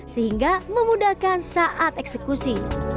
sehingga memudahkan saat eksekusi